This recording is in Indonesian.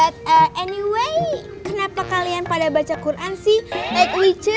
kenapa kalian pada baca quran sih